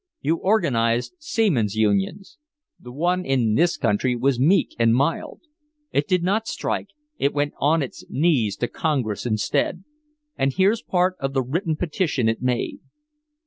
You organized seamen's unions. The one in this country was meek and mild. It did not strike, it went on its knees to Congress instead, and here's part of the written petition it made.